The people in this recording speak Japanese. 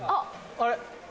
あれ？